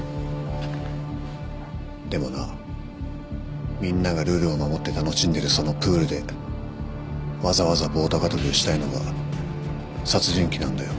でもなみんながルールを守って楽しんでるそのプールでわざわざ棒高跳びをしたいのが殺人鬼なんだよ。